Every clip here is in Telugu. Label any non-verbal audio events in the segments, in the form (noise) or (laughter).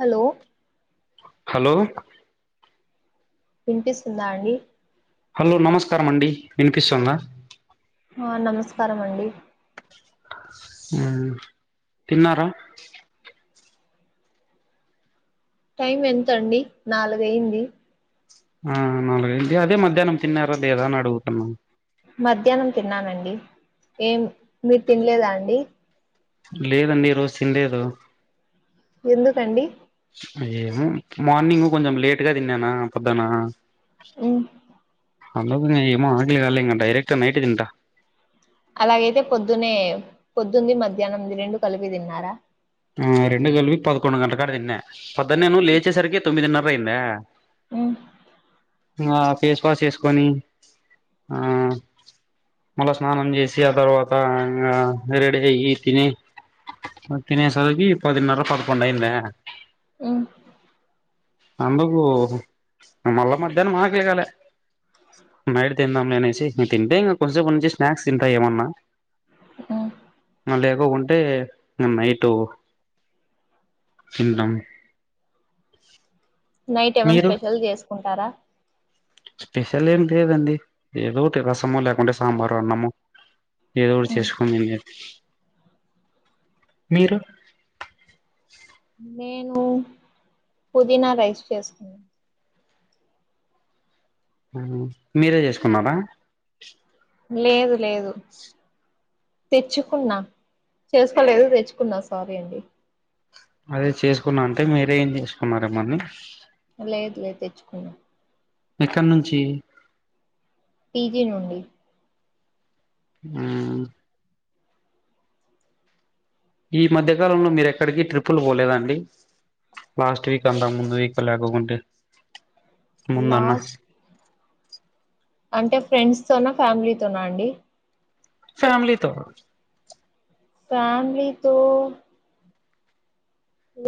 హలో హలో వినిపిస్తుందా అండి హలో నమస్కారమండి వినిపిస్తుంద ఆ నమస్కారం అండి ఆ హుం తిన్నార టైం ఎంత అండి నాలుగు అయింది ఆ నాలుగంటి అదే మధ్యాహ్నం తిన్నార లేదా అని అడుగుతున్న మధ్యానం తిన్నానండి ఏం మీరు తినలేదా అండి లేదండి ఈ రోజు తినలేదు ఎందుకండి ఏమో మార్నింగ్ కొంచెం లేట్గా తిన్నానా పొద్ద్దాన ఉమ్ అన్నం ఏమో ఆగలి కాలే ఇంక డైరెక్ నైటే తింట అలాగైతే పొద్దునే పొద్దుంది మధ్యానంది రెండు కలిపి తిన్నారా ఆ రెండు కలిపి పదకొండు గంటల కాడ తిన్న పద్దన్నామో లేచేసరికి తొమ్మిదిన్నర అయింద ఉమ్ ఆ ఫేస్ వాష్ చేసుకొని ఆ మళ్ళా స్నానం చేసి ఆ తర్వాత ఇంగా వెరైటీగా ఏం తిని తినేసరికి పదిన్నర పదికొండు అయ్యింది ఏమో అ అందుకు మల్లా మధ్యాహ్నం ఆకిలి కాలె నైట్ తిందాం ననేసి ఇవి తింటే ఇంకా కొంచసేపుంచి స్నాక్స్ తింటా ఏమన్న హు మళ్ళ ఏవోవుంటే నైటు తిండం నైట్ ఏమన్న మీరు స్పెషల్ చేసుకుంటారా స్పెషల్ ఏమి లేదండి ఏదోటి రసము లేకుంటే సాంబార్ అన్నము ఏదో ఒకటి చేసుకోని తినే మీరు నేను పుదీనా రైస్ చేసుకున్న ఆ మీరే చేసుకున్నరా లేదు లేదు తెచ్చుకున్న చేసుకోలేదు తెచ్చుకున్న సారీ అండి అదే చేసుకున్న అంటే మీరే ఏం చేసుకున్నారో ఏమోని లేదు లేదు తెచ్చుకునం ఎక్కడ నుంచి పీజీ నుండి ఉ ఈ మధ్య కాలంలో మీరు ఎక్కడికి ట్రిప్పుల్ పోలేదండి లాస్ట్ వీక్ అంతా ముందు వీక్ లేకకుంటే ముందన్న లాస్ట్ అంటే ఫ్రెండ్స్తోన ఫ్యామిలీతోన అండి ఫ్యామలీతో ఫ్యామిలీతో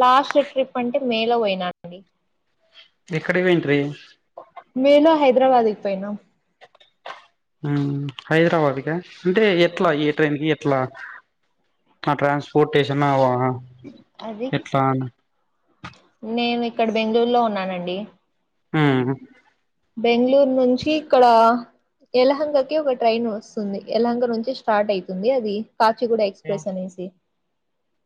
లాస్ట్ ట్రిప్ అంటే మేలో పోయినా అండి ఇక్కడపోయింట్రీ మేమ హైదరాబాద్కి పోయినాం హ హైదరాబాద్క అంటే ఎట్లా అవును. యే ట్రైన్కి ఎట్లా ఆ ట్రాన్స్పోర్టేషన్ అవ్వ అది నేను ఇక్కడ బెంగళూరులో ఉన్నానండి హు బెంగళూరు నుంచి ఇక్కడ ఎలహంగాకి ఒక ట్రైన్ వస్తుంది ఎలహంగా నుంచి స్టార్ట్ అవుతుంది అది కాచిగూడ ఎక్స్ప్రెస్ అనేసి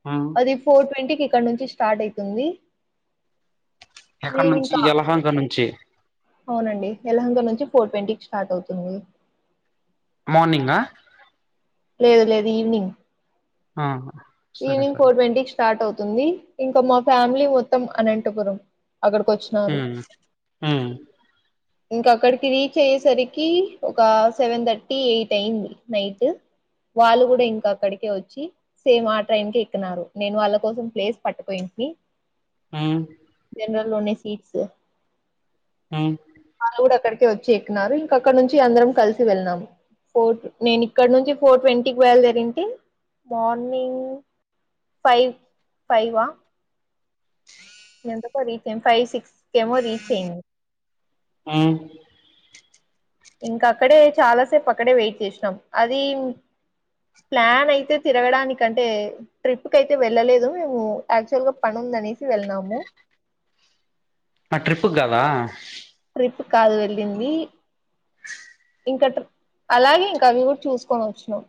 ఆ అది ఫోర్ ట్వంటీకిి ఇక్కడ నుంచి స్టార్ట్ అవుతుంది ఎక్కడ నుంచి ఇంకా ఎలహంగ నుంచి అవునండి ఎలహంగ నుంచి ఫోర్ ట్వంటీకి స్టార్ట్ అవుతుంది మార్నింగ్ ఆ లేదు లేదు ఈవినింగ్ ఆహా ఈవినింగ్ ఫోర్ ట్వంటీ స్టార్ట్ అవుతుంది ఇంకా మా ఫ్యామిలీ మొత్తం అనంటోకరు అక్కడికి వచ్చి హూ హ ఇంకా అక్కడికి రీచ్ అయ్యేసరికి ఒక సెవెన్ థర్టీ ఎయిట్ అయింది నైట్ వాళ్ళు కూడా ఇంక అక్కడికే వచ్చి సేమ్ ఆ ట్రైన్కి ఎక్కినన్నారు నేను వాళ్ళ కోసం ప్లేస్ పట్టుపోయి నైన్ జనరల్లోనే సీట్స్ ఉ వాళ్ల కూడా అక్కడికే వచ్చి ఎక్కినారు ఇంకా అక్కడ నుంచి అందరం కలిసి వెళ్ళాం ఫోర్ నేను ఇక్కడ నుంచి ఫోర్ ట్వంటీ కి బయల్దేరు ఉంటే మార్నింగ్ ఫైవ్ ఫైవా ఎంతకో రీచ్ అయ్యి ఫైవ్ సిక్స్ కేమో రీచ్ అయింది ఉ ఇంకా అక్కడే చాలాసేపు అక్కడే వెయిట్ చేసినాం అది ప్లాన్ అయితే తిరగడానికి అంటే ట్రిప్ కైతే వెళ్ళలేదు మేము యాక్చువల్ గా పని ఉందనేసి వెళ్ళము ఆ ట్రిప్ కదా ట్రిప్ కాదు వెళ్ళింది ఇంకటం అలాగే ఇంకా అవి చూసుకొని వచ్చినం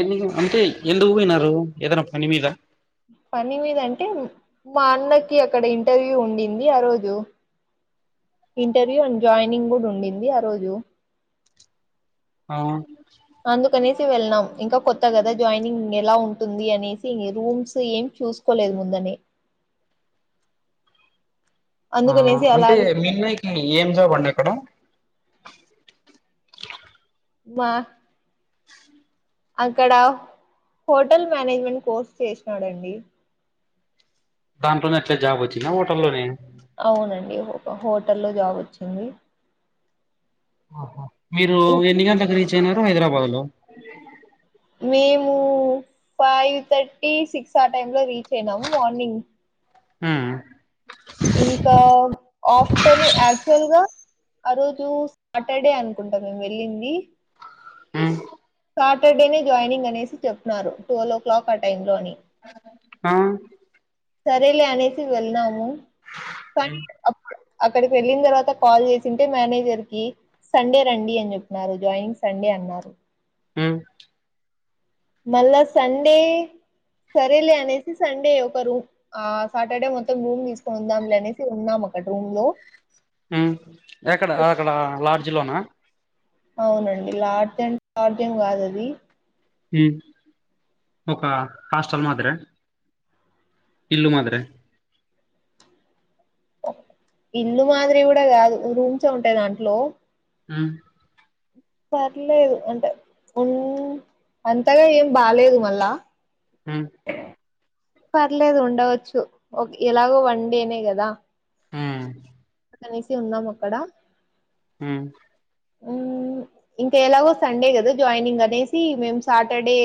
ఎనిమిది అంటే ఎందుకు పోయినారు ఏదైనా పని మీద పని మీద అంటే మా అన్నకి అక్కడ ఇంటర్వ్యూ ఉండింది ఆరోజు ఇంటర్వ్యూ అండ్ జాయినింగ్ కూడా ఉండింది ఆరోజు అవు అందుకనేసి వెళ్ళనాం ఇంకా కొత్త కదా జాయినింగ్ ఎలా ఉంటుంది అనేసి రూమ్స్ ఏం చూసు కోలేదు ముందని ఆ అందుకనేసి అంటే అలాగే మీన్నయికి ఏం జాబ్ అండి అక్కడ వా అక్కడ హోటల్ మేనేజ్మెంట్ కోర్స్ చేసినాడండి దాంట్లోనే ఎట్లే జాబ్ వచ్చిందా హోటల్లోనే అవునండి హోటల్లో జాబ్ వచ్చింది ఆహా మీరు ఇం ఎన్ని గంటలకు రీచ్ అయినారు హైదరాబాదులో మేము ఫైవ్ థర్టీ సిక్స్ ఆ టైంలో రీచ్ అయినాము మార్నింగ్ ఉ ఇంకా ఆఫ్టేర్నూన్ యాక్చువల్ గా ఆ రోజు సాటర్డే అనుకుంటాం మేము వెళ్ళింది ఆ సాటర్డే నే జాయినింగ్ అనేసి చెప్తున్నారు ట్వెల్వ్ ఓ క్లాక్ ఆ టైంలో అని ఆ సరేలే అనేసి వెళ్ళాము కానీ అప్పుడు అక్కడికి వెళ్ళిన తర్వాత కాల్ చేసి ఉంటే మేనేజర్ కి సండే రండి అని చెప్పినారు జాయినింగ్ సండే అన్నారు హ్మ్ మల్ల సండే సరేలే అనేసి సండే ఒకరోజు ఆ సాటర్డే మొత్తం రూమ్ తీసుకొని ఉందాంలే అనేసి ఉన్నాం అక్కడ రూమ్ లో ఉ ఎక్కడ అక్కడ లాడ్జి లోనా అవునండి లాడ్జిడ్ లాడ్జిన్ కాదది ఉ ఒక హాస్టల్ మాదిరా ఇల్లు మాదిరా ఇల్లు మాదిరి కూడా కాదు రూమ్స్ ఉంటాయి దాంట్లో ఉ పర్లేదు అంటే ఉ అంతగా ఏం బాలేదు మల్ల ఉ పర్లేదు ఉండవచ్చు ఎలాగో వన్డే నే కదా ఉ అనేసి ఉందాం అక్కడ హ్మ్ మ్మ్ ఇంకా ఎలాగో సండే కదా జాయినింగ్ అనేసి మేము సాటర్డే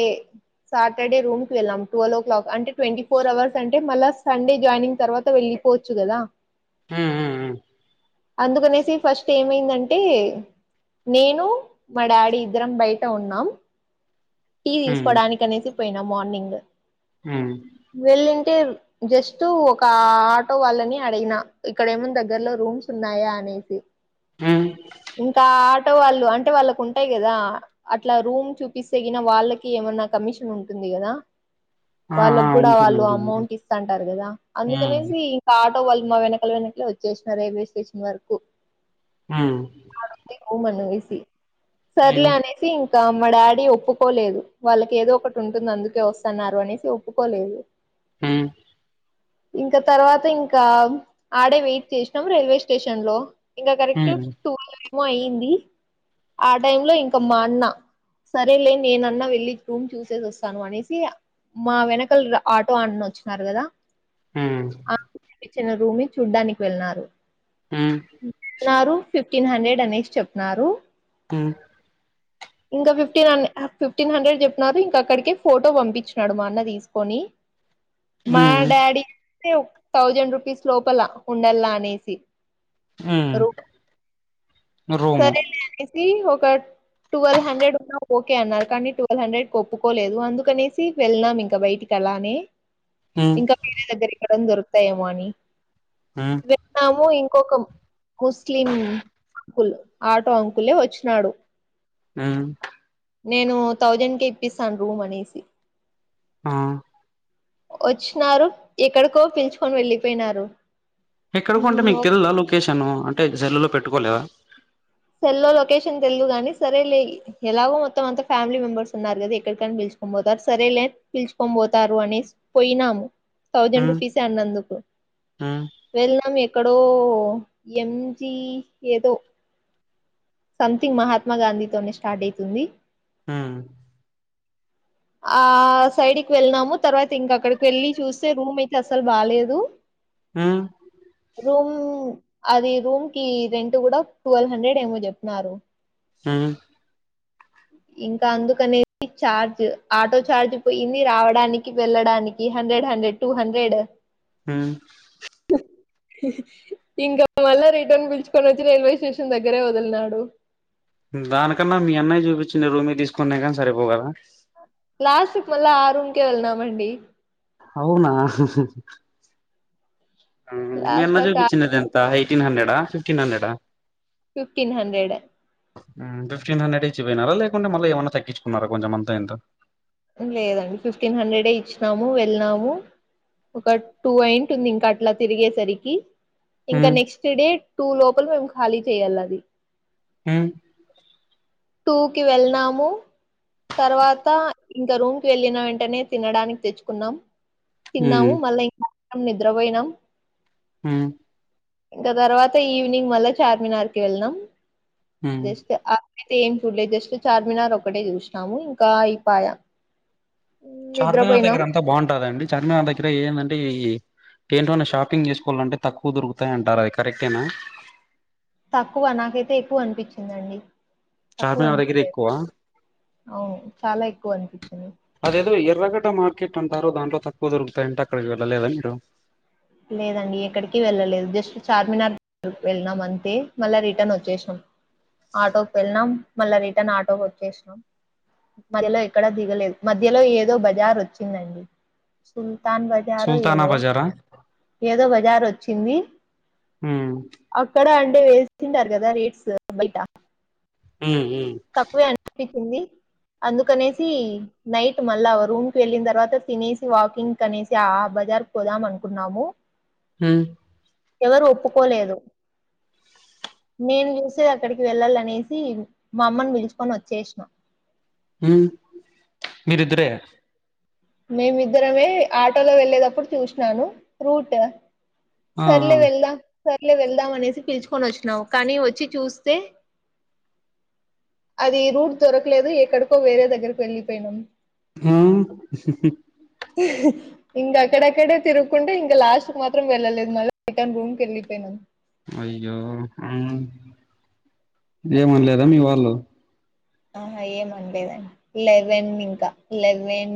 సాటర్డే రూమ్ కి వెళ్ళాం ట్వల్వ్ఓ క్లాక్ అంటే ట్వంటీ ఫోర్ అవర్స్ అంటే మళ్ళా సండే జాయినింగ్ తర్వాత వెళ్ళి పోవచ్చుగదా హ్మ్ మ్మ్ అందుకనేసి ఫస్ట్ ఏమైందంటే నేను మా డాడీ ఇద్దరం బయట ఉన్నాం టీ తీసుకోవడానికి అనేసి పోయినా మార్నింగ్ హ్మ్ వెళ్ళింటే జస్ట్ ఒక ఆటో వాళ్ళని అడిగిన ఇక్కడ ఏమనా దగ్గరలో రూమ్స్ ఉన్నాయా అనేసి ఇంకా ఆటో వాళ్ళు అంటే వాళ్ళకు ఉంటాయి కదా అట్లా రూమ్ చూపిస్ తగినా వాళ్ళకి ఏమైన్నా కమిషన్ ఉంటుంది కదా ఆ ఆ వాళ్ళకు కూడా ఉంటుంది వాళ్ళు ఉంటుంది అమౌంట్ ఇస్తుంటారు కదా హ్మ్ అందుకనేసి ఆటో వాళ్ళు మా వెనకల వెనకాలే వచ్చేసినారు రైల్వే స్టేషన్ వరకు హ్మ్ అనేసి హ్మ్ సర్లే అనేసి ఇంకా మా డాడీ ఒప్ ఒప్పుకోలేదు వాళ్ళకి ఏదో ఒకటి ఉంటుంది అందుకే వస్తున్నారు అనేసి ఒప్పుకోలేదు హ్మ్ ఇంకా తర్వాత ఇంకా ఆడే వెయిట్ చేసినాం రైల్వే స్టేషన్ లో ఇంకా కరెక్ట్ హ్మ్ టూ ఏమో అయ్యింది ఆ టైం లో ఇంకా మా అన్న అదేలే నేనన్నా వెళ్ళి రూమ్ చూసేసి వస్తాను అనేసి మా వెనకాల ఆటో అన్న వచ్చినారు కదా హ్మ్ ఇ చిన్న రూమి చూడ్డానికి వెళ్ళినారు హ్మ్ న్నారు ఫిఫ్టీన్ హండ్రెడ్ అనేసి చెప్తున్నారు హ్మ్ ఇంకా ఫిఫ్ ఫిఫ్టీన్ ఫిఫ్టీన్ హండ్రెడ్ చెప్పినారు ఇంక అక్కడికే ఫోటో పంపించినాడు మా అన్న తీసుకొని మా హ్మ్ డాడీ కి థౌజండ్ రూపీస్ లోపల ఉండలా అనేసి హ్మ్ రూ రూము సరేలే అనేసి ఒక టువెల్వ్ హండ్రెడ్ ఉన్నా ఓకే అన్నారు కానీ ట్వెల్ హండ్రెడ్ ఒప్పుకోలేదు అందుకనేసి వెళ్ళాం ఇంక బయటికి అలా అని (inaudible) ఇంకా వేరే దగ్గరెక్కడైన దొరుకుతాయేమో అని హ్మ్ విన్నాము ఇంకొక ముస్లిం అంకుల్ ఆటో అంకులే వచ్చినాడు హ్మ్ నేను థౌజండ్ కే ఇప్పిస్తాను రూమ్ అనేసి ఆ వచ్చినారు ఎక్కడికో పిలుచుకొని వెళ్ళిపోయినారు ఎక్కడకో అంటే హ్మ్. మీకు తెలిదా లొకేషన్ అంటే సెల్లులో పెట్టుకోలేదా సెల్లో లొకేషన్ తెల్దు గాని సరేలే ఎలాగో మొత్తం అంతా ఫ్యామిలీ మెంబర్స్ ఉన్నారు కదా ఎక్కడికైనా పిలుచుకొని పోతారు సరేలే పిలుచుకొని పోతారు అనేసి పోయినాము థౌజండ్ హ్మ్ రూపీసే అన్నందుకు హ్మ్ వెళ్ళాం ఎక్కడో ఎంజి ఏదో సంథింగ్ మహాత్మా గాంధీ తోనే స్టార్ట్ అయితుంది ఉమ్మ్ ఆ సైడికి వెళ్లినాము తర్వాత ఇంకా అక్కడికి వెళ్ళి చూస్తే రూమ్ అయితే అసలు బాలేదు ఉమ్మ్ రూమ్ అది రూమ్‌కి రెంట్ కూడా టువల్ హండ్రెడ్ ఏమో చెప్పినారు ఉమ్మ్ ఇంకా అందుకనే చార్జ్ ఆటో చార్జ్ పోయింది రావడానికి వెళ్ళడాని కి హండ్రెడ్ హండ్రెడ్ టూ హండ్రెడ్ ఉమ్మ్ ఇంకా మళ్ళ రిటర్న్ పిలుచుకొనొచ్చి రైల్వే స్టేషన్ దగ్గరే వదిలినాడు దానికన్నా మీ అన్నయ్య చూపిచిన రూమే తీసుకున్నా కాని సరిపోవు కదా లాస్ట్‌కి మళ్ళా ఆ రూమ్‌కే వెళ్ళినామండి అవునా మీ లాస్ట్ అన్న దాకా చూపిచినదెం త ఎయిటీన్ హండ్రెడా ఫిఫ్టీన్ హండ్రెడా ఫిఫ్టీన్ హండ్రెడ్ ఉమ్మ్ ఫిఫ్టీన్ హండ్రెడ్ ఇచ్చిపోయినారా లేకుంటే మళ్ళీ ఏమన్నా తగ్గుకున్నారా కొంచంమంతా ఇంతా లేదండి ఫిఫ్టీన్ హండ్రెడే ఇచ్చినాము వెళ్ళినాము ఒక టూ అయింటుంది ఇంకా అట్లా తిరిగే సరికి ఇంకా హ్మ్ నెక్స్ట్ డే టూ లోపల మేము ఖాళీ చేయాల అది ఉమ్ టూ కి వెళ్లినాము తర్వాత ఇంకా రూమ్‌కి వెళ్ళిన వెంటనే తినడానికి తెచ్చుకున్నాం హ్మ్ తిన్నాము మళ్ళ (inaudible) నిద్రపోయినాం ఉమ్మ్ ఇంకా తర్వాత ఈవినింగ్ మళ్ళా చార్మినార్‌కి వెళ్ళినాం హ్మ్ జస్ట్ ఆ అయితే ఏం చూడ్లే జస్ట్ చార్మినార్ ఒకటే చూసినాము ఇంకా అయిపాయా చార్మినార్ దగ్గర అంతా బాగుంటదండి చార్మినార్ దగ్గర ఏందంటే ఈ ఏంటివన్నా షాపింగ్ చేసుకోవాలంటే తక్కువ దొరుకుతాయి అంటారు అది కరెక్టేనా తక్కువ నాకైతే ఎక్కువ అనిపిచిందండి తక్కువ చార్మినార్ దగ్గర అనిపిలేదు ఎక్కువ అవును చాలా ఎక్కువ అనిపిచింది అదేదో ఎర్రగడ్డ మార్కెట్ అంటారు దాంట్లో తక్కువ దొరుకుతాయంట అక్కడికి వెళ్ళలేదా మీరు లేదండి ఎక్కడికి వెళ్ళలేదు జస్ట్ చార్మినార్ వెళ్ళినాం అంతే మళ్ళా రిటర్న్ వచ్చేసా ఆటోకి వెళ్ళినం మళ్ళా రిటన్ ఆటోకి వచ్చేసినాం మధ్యలో ఎక్కడ దిగలేదు మధ్యలో ఏదో బజార్ వచ్చిందండి సుల్తాన్ బ సుల్తానా బజారా ఏదో బజార్ వచ్చింది ఉమ్ అక్కడ అంటే ఎ సింటారు కదా రేట్స్ బైటా ఉమ్మ్ ఉమ్మ్ తక్కువే అనిపిచింది అందుకనేసి నైట్ మళ్ళా రూమ్‌కి వెళ్ళిన తర్వాత తినేసి వాకింగ్‌ కనేసి ఆ బజార్‌‌కు పోదాం అనుకున్నాము మ్. ఎవరు ఒప్పుకోలేదు. నేను చూసే అక్కడికి వెళ్ళాల అనేసి మా అమ్మని పిలుచుకొని వచ్చేసినా. హ మీరిద్దరే. మేమిద్దరమే ఆటోలో వెళ్ళేటప్పుడు చూసినాను రూట్. ఆ ఆ సర్లే వెళ్దాం సర్లే వెళ్దాం అనేసి పిలుచుకొని వచ్చినావు కానీ వచ్చి చూస్తే. అది రూట్ దొరకలేదు ఎక్కడికో వేరే దగ్గరకు వెళ్ళిపోయినాం. ఊ. ఇంకా అక్కడక్కడే తిరుగుకుంటే ఇంకా లాస్ట్ మాత్రం వెళ్ళలేదు మళ్ళ రిటర్న్ రూమ్కి వెళ్ళిపోయినామ్. అయ్యో ఉ ఏమనలేదా మీ వాళ్ళు. ఆహ ఏమండలేదండి లెవెన్ ఇంకా లెవెన్.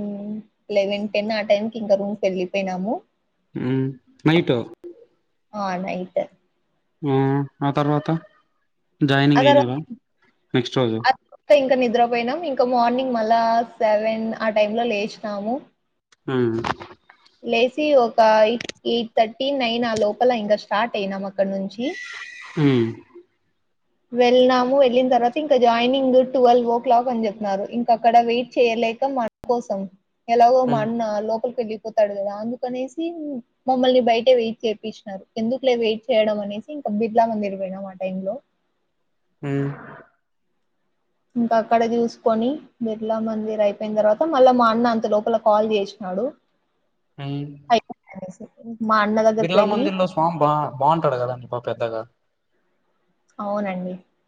లెవెన్ టెన్ ఆ టైం క ఇంకా రూమ్కి వెళ్ళిపోయినాము. ఉ నైటో. ఆ నైట్. ఆ తర్వాత. జాయినింగ్ అదర అయినారా నెక్స్ట్ రోజు అద్. ఇంకా ఇంకా నిద్రపోయినాం ఇంకా మార్నింగ్ మళ్ళా సెవెన్ ఆ టై లో లేచినాము. ఊ. లేచి ఒక ఎయిట్ ఎయిట్ థర్టీ నైన్ ఆ లోపల ఇంకా స్టార్ట్ అయినాం అక్కడ నుంచి. ఊ. వెళ్ళనాము వెళ్ళిన తర్వాత ఇంకా జాయినింగ్ ట్వెల్వ్ ఓ క్లాక్ అని చెప్తున్నారు ఇంక అక్కడ వెయిట్ చేయలేక. కోసం ఎలాగో మా ఉమ్ అన్న లోకలికి వెళ్ళిపోతాడు కదా అందుకనేసి. మమ్మల్ని బయటే వెయిట్ చేయిించినారు ఎందుకు లే వెయిట్ చేయడం అనేసి ఇంకా బిడ్లా మందిరుపోయినాం ఆ టై లో. ఉమ్. ఇంకా అక్కడ చూసుకొని బిర్లా మందిర అయిపోయిన తర్వాత మళ్ళా మా అన్న అంత లోపల కాల్ చేసినాడు. అ. మా అన్న అదగ్గరకు వెళ్లి. బా బా బాగుంటాడు కదండి బ పెద్దగా. అవునండి.